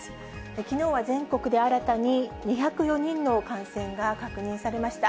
きのうは全国で新たに２０４人の感染が確認されました。